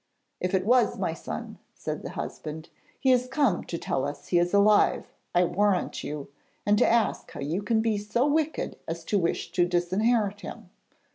'If it was my son,' said the husband, 'he is come to tell us he is alive, I warrant you, and to ask how you can be so wicked as to wish to disinherit him.